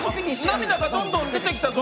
涙がどんどん出てきたぞ。